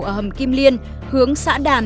ở hầm kim liên hướng xã đàn